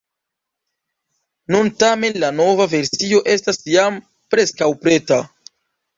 Nun tamen la nova versio estas jam preskaŭ preta.